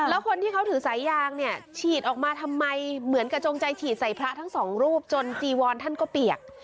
แล้วคนที่เขาถือสายยางเนี่ยฉีดออกมาทำไมเหมือนกระจงใจฉีดใส่พระทั้งสองรูปจนจีวอนท่านก็เปียก